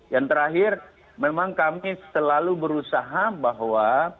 yang terakhir memang kami selalu berusaha bahwa